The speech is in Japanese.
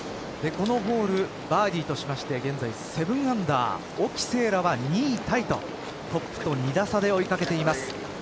このホールバーディーとしまして現在７アンダー沖せいらは２位タイとトップと２打差で追い掛けています。